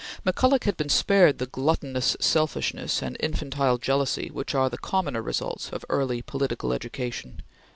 McCulloch had been spared the gluttonous selfishness and infantile jealousy which are the commoner results of early political education.